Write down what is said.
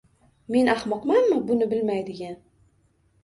— Meni ahmoqmanmi buni bilmaydigan.